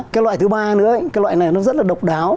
cái loại thứ ba nữa cái loại này nó rất là độc đáo